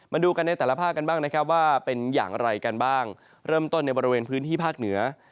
มาดูกันในแต่ละภาคกันบ้างนะครับว่าเป็นอย่างไรกันบ้างเริ่มต้นในบริเวณพื้นที่ภาคเหนือ